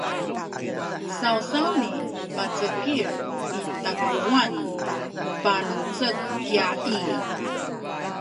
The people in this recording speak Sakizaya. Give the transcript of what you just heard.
sawsawni pacekil i takuwan palucek kya i